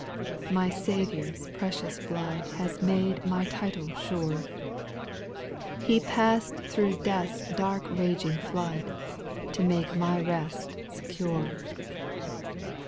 SPIRITUAL SONGS. 89 3. My Saviour's precious blood Has made my title sure : He pass'd through death's dark raging flood, To make my rest secure.